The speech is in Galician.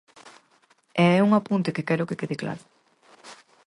E é un apunte que quero que quede claro.